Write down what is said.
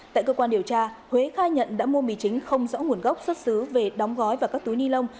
tại cơ quan điều tra huế khai nhận đã mua mì chính không rõ nguồn gốc xuất xứ về đóng gói và các túi ni lông